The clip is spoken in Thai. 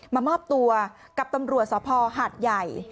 มามอบตัวกับตำรวจสภหาดใหญ่